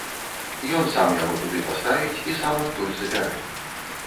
Ён сам яго туды паставіць і сам адтуль забярэ.